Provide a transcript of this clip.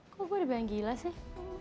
kok gue udah bilang gila sih